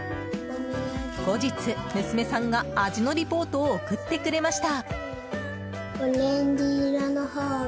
後日、娘さんが味のリポートを送ってくれました。